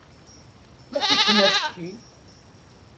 Fakk-iken acetki!